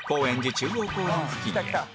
中央公園付近へ